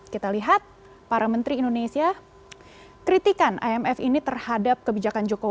kita lihat para menteri indonesia kritikan imf ini terhadap kebijakan jokowi